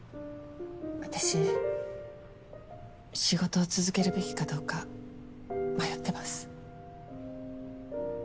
私仕事を続けるべきかどうか迷ってます。